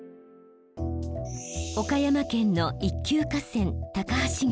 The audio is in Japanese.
岡山県の一級河川高梁川。